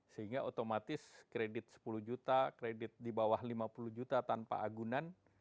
sehingga otomatis kredit sepuluh juta kredit di bawah lima puluh juta tanpa agunan